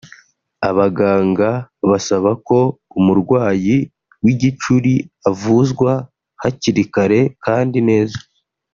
Abaganga basaba ko umurwayi w’igicuri avuzwa hakiri kare kandi neza